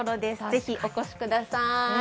ぜひお越しください。